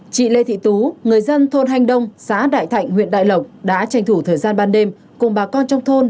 chị lê thị tú người dân thôn hanh đông xã đại thạnh huyện đại lộc đã tranh thủ thời gian ban đêm cùng bà con trong thôn